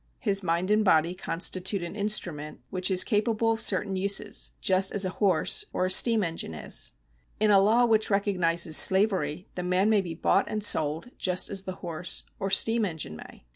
His mind and body constitute an instrument which is capable of certain uses, just as a horse or a steam engine is. In a law which recognises slavery, the man may be bought and sold, just as the horse or steam engine 190 LEGAL RIGHTS [§ 73 may.